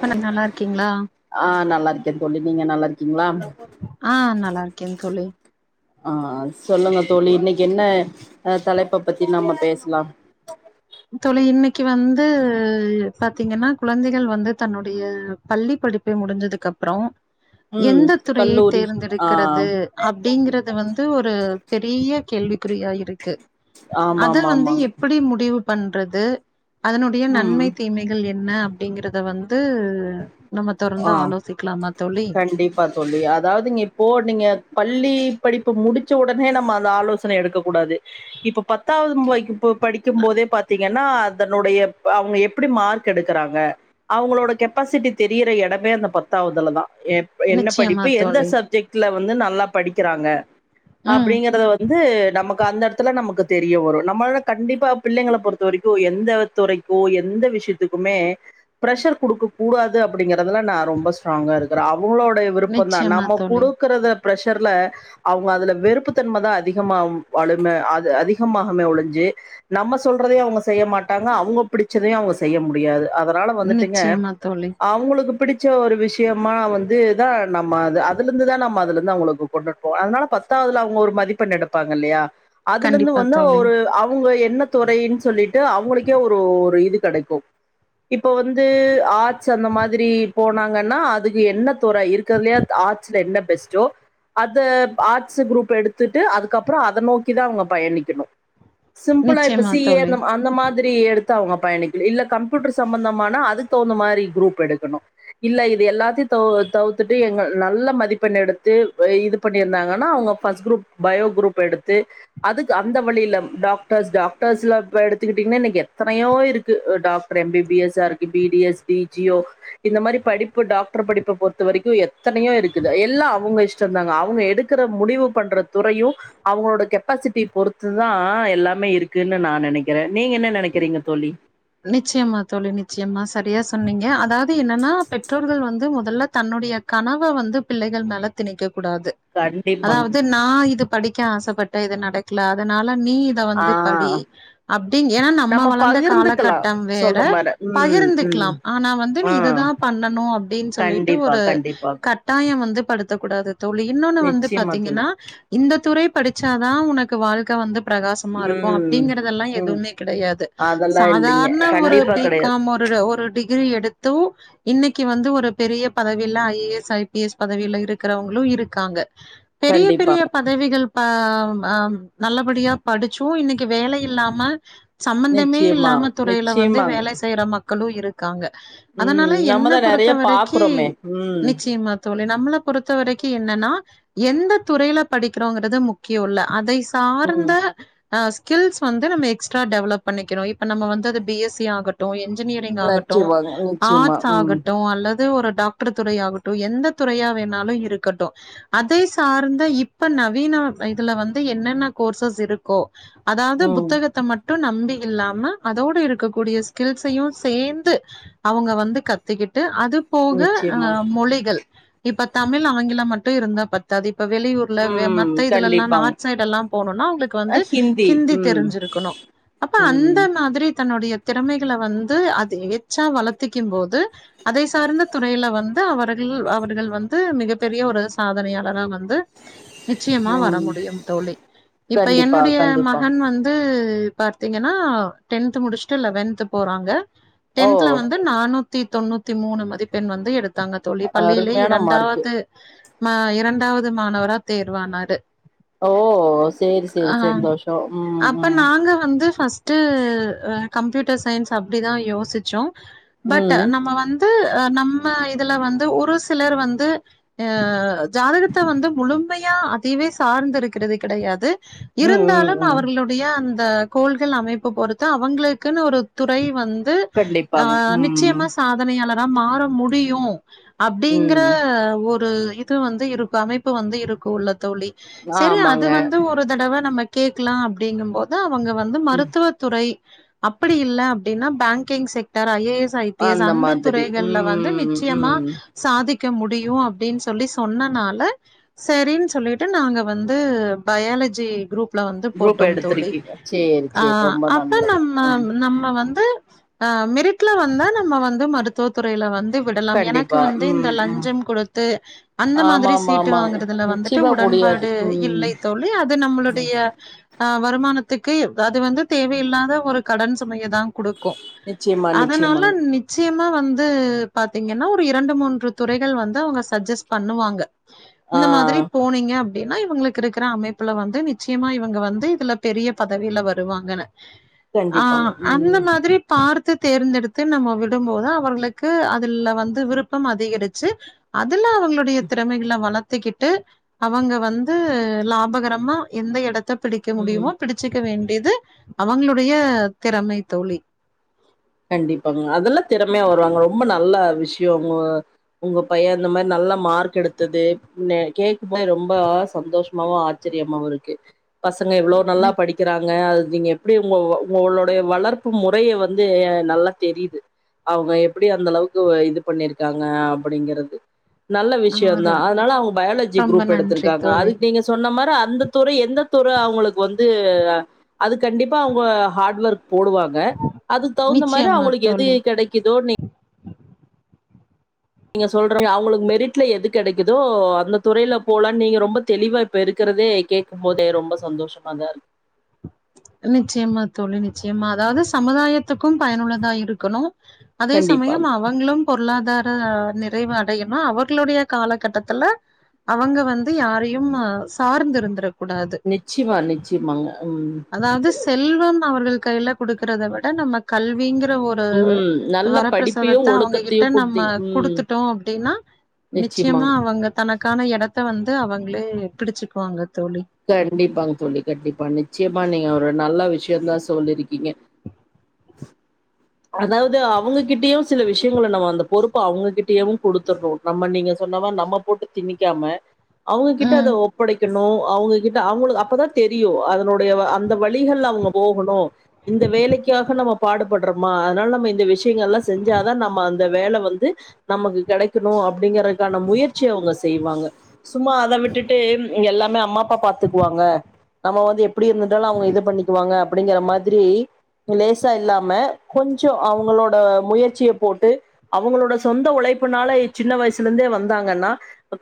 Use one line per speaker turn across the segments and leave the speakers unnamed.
இப்ப நல்லா இருக்கீங்களா
ஆஹ் நல்லா இருக்கேன் தோழி நீங்க நல்லாருக்
ஆஹ் நல்லாருக்கேன் தோழி
ஆஹ் சொல்லுங்க தோழி இன்னைக்கு என்ன தலைப்ப பத்தி நம்ம பேஸ்லாம்
தோழி இன்னைக்கு வந்து பாத்தீங்கன்னா குழந்தைகள் வந்து தன்னுடைய பள்ளி படிப்பை முடிஞ்சதுக்கு அப்புறம்
ம்
எந்த துறைய
கல்லூரி ஆ
தேர்ந்தெடுக்கறது அப்படிங்கறிறது வந்து ஒரு பெரிய கேள்விக்குறியா இருக்கு
ஆமா
அத
ஆமா
வந்து
ஆமாங்க
எப்படி முடிவு பண்றது அதனுடைய
ம்
நன்மை தீமைகள் எ ன்ன அப்படிங்கறத வந்து நம்ம தொடர்ந்து
ஆஹ்
ஆலோசிக்கலாமா தோழி
கண்டிப்பா தோழி அதாவ்து இப்போ நீங்க பள்ளி படிப்பு முடிச்ச உடனே நம்ம அந்த ஆலோசன எடுக்க கூடாது இப்ப பத்தாவது வைக் ப படிக்கும் போதே பாத்தீங்கன்னா அதனுடைய அவங்க எப்டி மார்க் எடுக்கறாங்க அவங்களோட கெப்பாசிட்டி தெ றிற எடமே அந்த பத்தாவதுலதா எப் என்ன
நிச்சயமா
படிப்பு எந்த
தோழி
சப்ஜெக்ட்ல வந்து நல்லா படிக்கிறாங்க
ம்
அப்படிங்கறத வந்து நமக் க அந்த எடத்துல நமக்கு தெரிய வரு நம்மள கண்டிப்பா பிள்ளைங்கள பொறுத்த வரைக்கு எந்த துறைக்கோ எந்த விஷயத்துக்குமே பிரஷர் குடுக்கக்கூடா து அப்படிங்க கதுல நா ரொம்ப ஸ்ட்ராங்கா இருக்கிறே அவங்களோடைய விருப்பந்தா
நிச்சயமா
நம்ம
தோழி
குடுக்குறத பிர்ஷர்ல அவங்க அதுல வெறுப்புத்தன்மதா அதிகமா வளும அது அதிகமாகுமே ஒழிஞ்சு நம்ம சொல்றதையே அவங்க செய்ய மாட்டாங்க அவங்க பிடிச்சதையு அவங்க செய்ய முடியாது அதனால வந்துட்டுங்க
நிச்சயமா தோழி
வுங்களுக்கு பிடிச்ச ஒரு விஷயமா வந்துதா நம்ம அது அதுல இருந்துதா நம்ம அதுல இருந்து அவங்களுக்கு கொண்டுட்டுப்போ அதனால பத்தாவதுல அவங்க ஒரு மதிப்பெண் எடுப்பாங்க இல்லயா அதுல இருந்து
கண்டிப்பா
வந்து
தோழி
ஒரு அவுங்க எ என்ன துறைன் சொல்லிட்டு அவங்களுக்கே ஒரு ஒரு இது கெடைக்கு இப்ப வந்து ஆ சு அந்த மாதிரி போனாங்கன்னா அதுக்கு என்ன தொற இருக்கதுலையா ஆர்ட்ச்ல என்ன பெஸ்ட்டோ அத ஆட்ஸ் குரூப் எடுத்துட்டு அதுக்கப்பறொ அத நோக்கிதா அவங்க பயணிக்கணு சிம்பிளா இப்ப
நிச்சயமா
சி ஏ
தோழி.
ந்த அந்த மாதி திறி எடுத்தா அவ்ங்க பயணிக்கனு இல்ல கம்ப்யூட்டர் சம்பந்தமான அதுக் தகுந்த மாரி குரூப் எடுக்கணு இல்ல இது எல்லாத்தையு தவு தவுத்துட்டு எங்க நல்ல மதிப்பெண் எடுத்து வ இது பண்ணிருந்தாங்கன்னா அவங்க ஃபஸ்ட் குரூப் பயோ குரூப் எடுத்து அதுக்கு அந்த வழியில டாக்டர்ஸ் டாகர்ஸ்ல இப்ப எடுத்துக்கிட்டீங்கன்னா இனைக் எத்தனையோ இருக்கு டாக்டர் எம் பி பி எஸ்ஸாருக்கு பி டி எஸ் டி ஜியோ இந்த மாரி படிப்பு டாக்டர் படிப்ப பொறுத்த வரைக்கு எத்தனையோ இருக்குது எல்லா அவுங்க இஷ்டந்தாங்க அவுங்க எடுக்கற முடிவு பண்ற துறையு அவுங்களோட கெப்பாசிட்டி பொறுத்துதா எல்லாமே இருக்குன்னு நா நெனைக்குற நீங்க என்ன நெனைக்கிறீங்க தோழி
நிச்சயமா தோழி நிச்சயமா சரியா சொன்னீங்க அதாவ் து என்னனா பெற்றோர்கள் வந்து முத தல்ல தன்னுடைய கனவ வந்து பிள்ளைகள் மேல திணிக்க கூடாது
கண்டிப்பாங்
அதாவது நா இது படிக்க ஆச பட்ட இது நடக்கல அதனால் ல நீ இத
ஆ
வந்து படி அப்டி ஏனா நம்ம வளர்ந்த கால
பகிர்ந்துக்கலா
கட்டம் வேற
சொல்ற மார ம்
பகிர்ந்துக்குலா
ம்
ஆனா வந்து நீ
ஆ
இதுதா பண்ணணு அப்படின்னு சொல்லிட்டு
கண்டிப்பா
ஒரு
கண்டிப்பா
கட்டாயம் வந்து படுத்தக்க கூடாது தோழி இன்னோன்னு வந்து
நிச்சயமா தோழி
பாத்தீங்கன்னா இந்த துறை படிச்சாதா உனக்கு க்கு வாழ்க்க வந்து பிரகாசமா இருக்கு
ம்
அப்படிங்கறதெல்லா
ம்
எதுவுமே கெடையாது
அதெல்லா இல்லைங்க
சாதாரண ஒரு
கண்டிப்பா
பி
கெடையாது
காம் ஒரு ஒரு டிகிரி எடுத்து இன்னிக்கு வந்து ஒரு பெரிய பதவியில ஐஏஎஸ் ஐபிஎஸ் பதவியில இருக்கிறவங்களு இருக்காங்க பெரிய பெரிய
கண்டிப்பாங்க
பதவிகள் பா ஹ ஆஹ் நல்லபடியா படிச்சோ இன்னிக்கு வேல இல்லாம சம்பந்தமே
நிச்சயமாங்க
இல்லாம துறையில வந்து
நிச்சயமாங்க
வேலை செய்யற மக்க மக்களு இருக்காங்க
ம்
அதனால என்ன
நம்மதா நெறைய
பொறுத்த வரைக்கி
பாக்குறோமே ம்
நிச்சயமா தோழி நம் பொறுத்த வரைக்கி என்னன்னா எந்த துறையில படிக்கிறோங்கிறது முக்கியம்ல்ல அதை
ம்
சார்ந்த ஹ ஸ்கில்ஸ் வந்து நம்ம எஸ்ட்ரா டெவலப் பண்ணிக்கோ நம்ம வந்து அது பிஎஸ்சி ஆகட்டு என் இன்ஜினியரிங் ஆகட்டு
நிச்சயமாங்க நிச்சயமா
ஆர்ட்ஸ்
ம்
ஆகட்டு அல்லது ஒரு டாக்டர் துற ஆகட்டு எந்த துறையா வேணாலு இருக்கட்டு அதை சார்ந்த இப்ப நவீன இதுல வந்து என்னென்ன கோர்சஸ் இருக்கோ அதாவது
ம்
புத்தகத்த மட்டு மட்டு நம்பி இல்லாம அதோடு இருக்கக்கூடிய ஸ்கில்ஸையும் சேர்ந்து அவங்க வந்து கத்தக்கிட்டு அது போக
நிச்சயமாங்க
ஆஹ் மொழிகள் இப்ப தமிழ் ஆங்கிலம் மட்டு இருந்தா பத்தாது இப்ப வெளியூர்ல
ம்
மத்த இதுல எல்லா
கண்டிப்பாங்க
நார்த் சைடு எல்லா போணும்னா அவங்களுக்கு
அ
வந்து ஹிந்தி
ம்
தெரிஞ்சிருக்கணு அப்ப
ம்
அந்த மாரி தன்னுடைய திறமைகளை வந்து அது எச்சா வளர்த்திக்கும் போது அதை சார்ந்த துறையில வந்து அவர்கள் அவர்கள் வந்து மிகப்பெரிய ஒரு சாதனையாளரா வந்து நிச்சயமா வர
ம்
முடியும் தோழி இப்ப
கண்டிப்பா
என்னுடைய
கண்டிப்பாங்க
மகன் வந்து பாத்தீங்கன்னா டென்து முடிச்சுட்டு லெவன்த் போறாங்க
ஓ
டென்த்ல வந்து நானூத்தி தொண்ணூத்தி மூணு மதிப்பபெண் வந்து எடுத்து தாங்க தோழி பள்ளியிலேய
அருமையான மார்க்கு
இரண்டாவது இரண்டாவது மாணவரா தேர்வானாரு
ஓ சேரி சேரி
ஆ
சந்தோஷம் உம்
அப்ப
உம்
நாங்க வந்து ஃபஸ்ட்டு கம்ப்யூட்டர் சயின்ஸ் அப்டிதா யோசிச்சோம் பட்
ம்
நம்ம வந்து நம்ம இதுல வந்து ஒரு சிலர் வந்து ஆஹ ஜாதகத்தை வந்து முழு உண்மையா அதுவே சார்ந்த இருக்கிறது கிடையாது
ம் ம்
இருந்தாலும்
ம்
அவர்களுடைய அந்த அ கோள்கள் அமைப்பு பொறுத்து அவங்களுக்குன்னு ஒரு துறை வந் து ஆ
கண்டிப்பாங்க ம்
நிச்சயமா சாதனைையாள மாற முடியும் அப்டிங்கற
ம்
ஒரு ஒரு இது வந்து இருக்கும் அமைப்பு வந்து இருக்கும் உள்ள தோழி சரி அது
ஆமாங்க
வந்து ஒரு தடவ நம்ம கேட்கலாம் அப்படிங்கும் போது அவங்க வந்து
ம்
மருத்துவத் தை அப்படி இல் அப்படின்னா banking sector I A S I P S அந்த
மாதிரி
துறைகள்ல வந்து
ம்
நிச்சயமா
ம்
சாதிக் க முடியும் அப்படின்னு சொல்லி சொன்னனால சரினு சொல்லிட்டு நாங்க வந்து பயாலஜி குரூப்
குரூப்ப எடுத்துருக்கீங்க செரி செரி ரொம்ப
அத்த
நல்லது
நம்ம
ம்
நம்ம வந்து அ மெரிட்ல வந்த நம்ம வந்து மருத்துவ துறையில வந் து விடலாம் எனக்கு
கண்டிப்பா
வந்து இந்த
ம் ம்
லஞ்சம் கொடுத்து அந்த
ஆமா
மாதிரி
ஆமா
சீட்டு
ஆமாங்க
வாங்கறதுல வந்துட்டு
நிச்சயமா முடியாது
உடன்பாடு
ம்
இல்லை தோழி அது நம்மளுடைய ஆஹ் வருமானத்துக்கு அது வந்து தேவையில்லாத ஒரு கடன் சுமைய தான் கொடுக்கும்
நிச்சயமா
அதனால
நிச்சயமாங்க
நிச்சயமா வந் து பாத்தீங்கன்னா ஒரு இரண்டு மூன்று துறைகள் வந்து அவங்க சஜஸ் பண்ணுவாங்க
ஆ
இந்த மாத்ரி போனீங்கப் டின்னா இவங்களுக்கு இருக்கிற அமைப்புல வந்து நிச்சயமா இவங்க வந்து இதுல பெரிய பதவில வருவாங்க ஆ
கண்டிப்பாங்க
அந்த
ம்
மாதிரி பார் து தேர்ந்தெடுத்து நம்ம விடும்போது அவர்களுக்கு அதுல வந்து விருப்பம் அதிகரிச்சு அதுல அவங்ளுடைய திறமைகள வளத்துக்கிட்டு அவங்க வந்து லாபகரமா எந்த எடத் த பிடிக்க
ம்
முடியுமே பிடிச்சிக்க வேண்ட் இது அவங்ளுடைய திறமை தோழி
கண்டிப்பாங்க அதெல்லா தெ தமே வருவாங்க ரொம்ப நல்ல விஷ்யோ ஒங்க உங்க பைய இந்தமார் நல்ல மார்க் எடுத்தது நெ கேக்கு போதே ரொம்ப சந்தோஷமாவு ஆச்சரியமாவு இருக்கு பசங்க எவ்ளோ நல்லா
நி
படிக்கிறாங்க அத் நீங்க எப்டி உங்கோ உங்கொளுடைய வளர்ப்பு முறைய வந் து நல்லா தெரிது அவங்க எப்பிடி அந்தளவுக்கு இது பண்ணிருக்காங்க அப்பிடிங்கறது நல்ல
ஆ
விஷயோந்தா
ரொ
அத்னால அவங்க பயாலஜி
ரொம்ப
க்ரூப்
நன்றி
எடுத்திருக்காங்க
தோழி
அதுக் நீங்க சொன்ன மார் கு அந்த துறை எந்த துறை அவுங்குளுக் வந்து அது கண்டிப்பா அவுங்க ஹார்ட் ஒர்க் போடுவாங்க அதுக் தவுந்த மாரி
நிச்சயமா
அவுங்களுக்கு எது
தோழி
கெடைக்குதோ நீ ங்க சொல்றீங்க அவுங்குளுக் மெரிட்ல எது கெடைக்குதோ அந்த துறையில போலான் நீங்க ரொம்ப தெளிவா இப்ப இருக்கிறதே கேக்கும்போதே ரொம்ப சந்தோஷமாதார்க்
நிச்சியமா தோழி நிச்சியமா அதாவ்து சமுதாயத்துக்கும் பயனுள்ளதா இருக்கணு அதே
கண்டிப்பாங்க
சமயம் அவங்களும் பொருளாதார் அ நிறைவடையணு அவர்களுடைய காலகட்டத்துல அவங்க வந்து யாரையும் சார்ந்து இருந்திறக்
நிச்சிமா நிச்சிமாங்க ம்
அதாவ்து செல்வ ம அவர்கள் கையில குடுக்கறத விட நம்ம கல்விங் ஒரு
ம் நல்ல
வரப்பிரசாதத்த
படிப்பையும்
அவங்ககிட்ட
ஒழுக்கத்தையும்
நம்ம
கொடுத்தீங்க ம்
குடுத்துட்டோ அப்டின்னா நிச்சியமா
நிச்சயமாங்க
அவங்க தனக் க்கான எடத்த வந்து அவங்களே பிடிச்சுக்குவாங்க தோழி
கண்டிப்பாங் தோழி கண்டிப்பா நிச்சயம் மா நீங்க ஒரு நல்ல விஷயோந்தா சொல்லிருக்கீங்க அதாவ்து அவுங்குக் கிட்டியு சில விஷ்யங்கள நம்ம அந்த பொறுப் ப்பா அவங்ககிட்டயுங் குடுத்துர்றோ நம்ம நீங்க சொன்னமா நம்ம போட்டு திணிக்காம அவுங்ககிட்ட அத
ம்
ஒப்படைக்கண் நோ அவுங்க கிட்ட அவுங்களுக் அப்பதா தெரியு அதனுடைய அந்த வழிகள்ல அவங்க போகணு இந்த வேலைக்காக நம்ம பாடுபட் றமா அதனால நம்ம இந்த விஷயங்கள்லா செஞ்சாதா நம்ம அந்த வேல வந்து நமக்கு கிடைக்கணு அப்டிங்கறக்கான முயற்சிய அவுங்க செய்வாங்க சும்மா அத விட்டுட்டு இங்க எல்லாமே அம்மா அப்பா பாத்துக்குவாங்க நம்ம வந்து எப்டி இருந்துட்டாலு அவுங்க இது பண்ணிக்குவாங்க அப்டிங்கிற மாரி லேசா இல்லாம கொஞ்ச அவுங்களோட முயற்சிய போட்டு அவுங்களோட சொந்த உழைப்புனால சின்ன வயசுல இருந்தே வந்தாங்கன்னா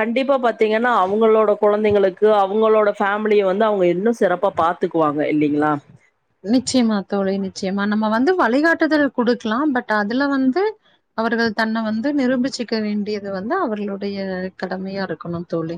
கண்டிப்பா பாத்தீங்கன்னா அவங்களோட கொழந்தைங்களுக்கு அவுங்களோட ஃபேமிலிய வந்து அவுங்க இன்னு சிறப்பா பாத்துக்குவாங்க இல்லிங்களா
நிச்சயமா தோழி நிச்சயமா நம்ம வந்து வழிகாட்டுதல் குடுக்லா பட் அதுல வந்து அவர்கள் தன்ன வந்து நிரூபிச்சுக்க வேண்டியது வந்து அவர்களுடைய கடமையா இருக்கணு தோழி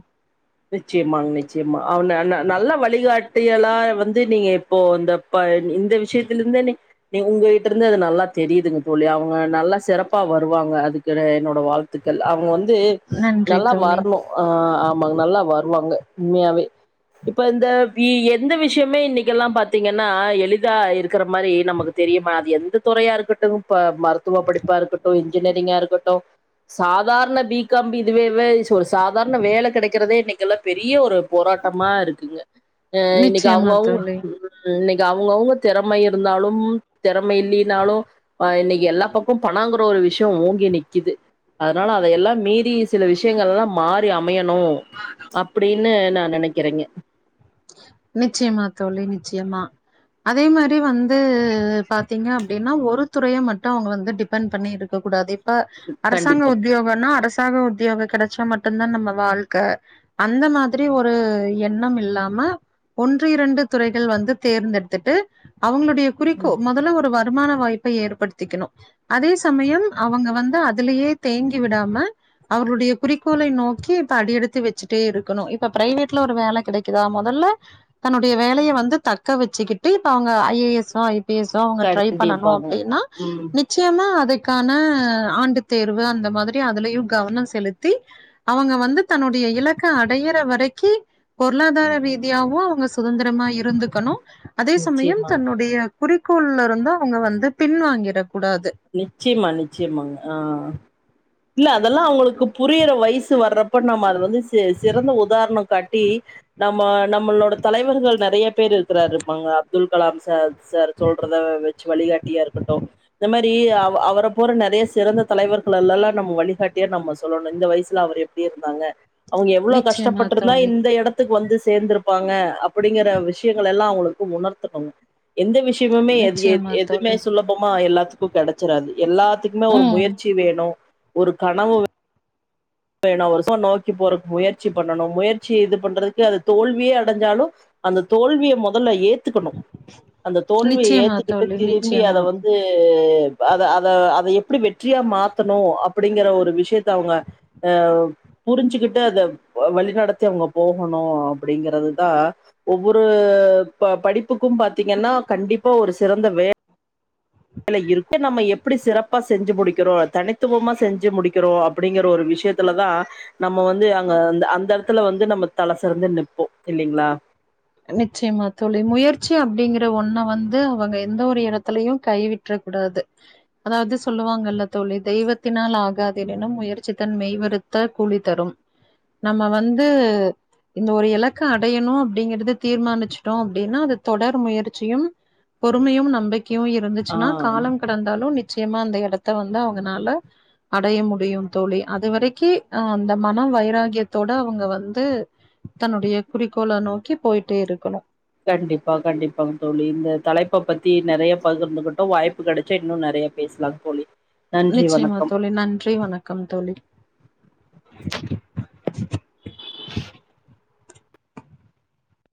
நிச்சயமாங்க நிச்சயமா. அவ ந ந நல்ல வழிகாட்டியலா வந்து நீங்க இப்போ இந்த ப இந்த விஷயத்தில் இருந்தே நீ நீங் உங்ககிட்ட இருந்து அது நல்லா தெரியுதுங் தோழி அவுங்க நல்லா சிறப்பா வருவாங்க அதுக்கு என்னோட வாழ்த்துக்கள் அவுங்க வந்து து
நன்றி
நல்லா
தோழி
வரணு அ நல்லா வருவாங்க உண்மையாவே இப்ப இந்த வி எந்த விஷயமே இன்னிக்கெல்லா பாத்தீங்கன்னா எளிதா இருக் கற மாரி நமக்கு தெரியுமா அது எந்த தொறையாருக்கட்டு ப்ப மறுக் த்துவ படிப்பா இருக்கட்டு இந் இன்ஜினியரிங்கா இருக்கட்டு சாதாரண பிகாம் இதுவே சாதாரண வேல கெடைக் க்கறதே இன்னிக்கு எல்லா பெரிய ஒரு போராட்டமா இருக்குங்க எ இன்னைக்கு
நிச்சயமா
அவுங்கவுங்க
தோழி
இன்னைக் இங்க அவுங்கவுங்க திறமை இருந்தாலு திறமை இல்லைனாலு இன்னைக்கு எல்லா பக்கோ பணோங்கிற ஒரு விஷ்யோ ஓங்கி நிக்கிது அதனால அதையெல்லா மீறி சில விஷயங்கள் எல்லா மாறி அமையணு அப்டின்னு நா நனைக்கிறேங்க
நிச்சயமா தோழி நிச்சயமா அதே மாரி வந்து பாத்தீங்க அப்டின்னா ஒரு துறைய மட்டு அவங்க வந்து டிபெண்ட் பண்ணி இருக்க கூடாது ப அரசாங்க
கண்டிப்பா.
உத்தியோகனா அரசு சாங்க உத்தியோக கடைச்சா மட்டுதா நம்ம வாழ்க்க அந்த மாதிரி ஒரு எண்ணம் இல்லாம ம ஒன்று இரண்டு துறைகள் வந்து தேர்ந்தெடுத்துட்டு அவங்க குறிக்கோ முதல்ல ஒரு வ தரமான வாய்ப்பை ஏற்படுத்திக்கணு அதே சமயம் அவங்க வந்து அதலயே தேங்கி விடாம அவர்களுடைய குறிக்கோளை நோக்கி அடி எடுத்து வச்சிட்டே இருக்கணு இப்ப பிரைவேட்ல ஒரு வேல கிடைக் இதா முதல்ல தன்னுடைய வேலையை வந்து தக்க வச்சுக்கிட்டு இப்போ அவங்க ஐ ஏ எஸ் ஓ ஐ பிஸ்ஓ அவங்க ட்ரை பண்ணனு
கண்டிப்பாங்க
அப்டின்னா
ம்
நிச்சயமா அது கான ஆண்டுத் தேர்வு அந்த மாதிரி அதுலயு கவனோ செலுத்தி அவுங்க வந்து தன்னுடைய இலக்க அடையற வரைக்கி ஒ பொருளாதார ரீதியாவு அவுங்க ச சுதந்திரமா இருந்துக்கணு அதே சமயம்
நிச்சயமா
தன்னுடைய குறிக்கோள்ல இருந்து அவங்க வந்து பின்வாங்கிர
நிச்சயமா நிச்சயமாங்க ஆ இல்ல அதெல்லா அவங்களுக்கு புரியிற வயசு வர்றப்ப நம்ம அது வந்து சே சிறந்த உதாரண காட்டி நம்ம நம்மளோட தலைவர்கள் நறைய பேர் இருக்கிறாரு இருப்பாங்க அப்துல் கலாம் சார் சார் சொல்றத வச்சு வழிகாட்டியா இருக்கட்டு இந்த மாரி அவ அவர போற நறைய சிறந்த தலைவர்கள்ல்லல்லா நம்ம வழிகாட்டியா நம்ம சொல்லணு இந்த வயசுல அவர் எப்டி இருந்தாங்க அவங்க எவ்ளோ
நிச்சயமா
கஷ்டப்பட்டிருந்தா
தோழி
இந்த எடத்துக்கு வந்து சேர்ந்திருப்பாங்க அப்டிங்கிற விஷயங்கள் எல்லா அவங்களுக்கு உணர்த்துணு எந்த விஷ்யுமுமே எது எத்
நிச்சயமா
எதுமே
தோழி
சுலபம்மா எல்லாத்துக் ப்பு கெடச்சிறாது எல்லாத்துக்குமே ஒரு
ம்
முயற்சி வேணு ஒரு கனவு னா வருஷம் நோக்கி போறக்கு முயற்சி பண்ணணும் முயற்சி இது பண்றதுக்கு அது தோல்வியே அடைஞ்சாலும் அந்த தோல்வியை முதல்ல ஏ த்துக்கணும் அந்த தோல்வியை
நிச்சயமா
ஏத்துக்கிட்டு
தோழி
திரும்பி
நிச்சயமா
அதை வந்து ஹ அத அத அதை எப்படி வெற்றியா மாத்தணும் அப்படிங்கற ஒரு விஷயத்த அவங்க அஹ் புரிஞ்சுக்கிட்டு அதை வழிநடத்தி அவங்க போகணும் அப்படிங்கறதுதான் ஒவ்வொரு ப படிப்புக்கும் பாத்தீங்கன்னா கண்டிப்பா ஒரு சிறந்த வே இல இருக்க நம்ம எப்படி சிறப்பா செஞ்சு முடிக்கிறோம் தனித்துவமா செஞ்சு முடிக்கிறோம் அப்படிங்கிற ஒரு விஷயத்துலதான் நம்ம வந்து அங்க அ அந்த இடத்துல வந்து நம்ம தலை சிறந்து நிற்போம் இல்லலைங்களா
நிச்சயமா தோழி முயற்சி அப்படிங்கிற ஒன்ன வந்து அவங்க எந்த ஒரு இடத்துலயையும் கைவிட்ற கூடாது அதாவது சொல்லுவாங்கல்ல தோழி தெய்வத்தினால் ஆகாதுனன்னும் முயற்சி தன் மெய்வறுத்த கூலி தரும் நம்ம வந்து இந்த ஒரு இலக்க அடையணும் அப்படிங்கறது தீர்மானிச்சிடோம் அப்படின்னா அது தொடர் முயற்சியும் பொறுமையும் நம்பிக் கையு
ஆ
இருந்துச்சுன்னா காலம் கடந்தாலும் நிச்சயமா அந்த இடத்த வந்து அவங்கனால அடைய முடியும் தோழி அதுவரைக்கு அஹ் அந்த மனம் வைராகியத்தோட அவங்க வந்து தன்னுடைய குறிக்கோள நோக்கி போயி டே இருக்கணும்
கண்டிப்பா கண்டிப்பாங்க தோழி இந்த தலைப்ப பத்தி நிறைய பகர்ந்துக்கட்டும் வாய்ப்பு கிடைச்சா இன்னும் நிறைய பேசலாங்க தோழி நன்றி
நிச்சயமா
வணக்கம்
தோழி நன்றி வணக்கம் தோழி